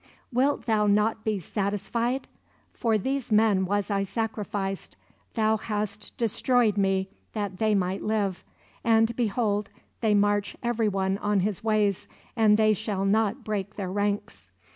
"Wilt thou not be satisfied? For these men was I sacrificed; thou hast destroyed me that they might live; and behold, they march everyone on his ways, and they shall not break their ranks.